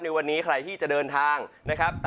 ในวันนี้ใครที่จะเดินทางนะครับ